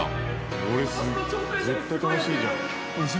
これ絶対楽しいじゃん。